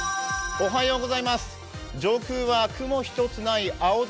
上空は雲一つない青空。